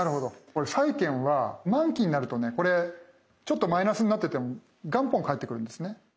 これ債券は満期になるとねこれちょっとマイナスになってても元本返ってくるんですね。